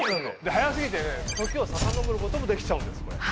速過ぎてね時をさかのぼることもできちゃうんです。